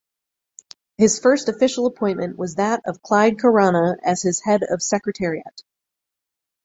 His first official appointment was that of Clyde Caruana as his Head of Secretariat.